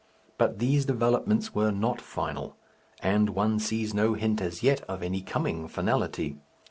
But these developments were not final, and one sees no hint as yet of any coming finality.